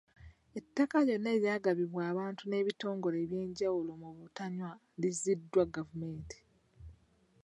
Ettaka lyonna eryagabibwa abantu n’ebitongole eby'enjawulo mu butanwa liddizibwe gavumenti.